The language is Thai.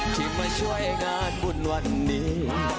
ที่มาช่วยงานบุญวันนี้